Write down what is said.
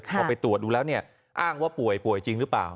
พอไปตรวจดูแล้วเนี่ยอ้างว่าป่วยป่วยจริงหรือเปล่า